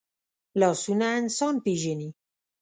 لاسونه انسان پېژني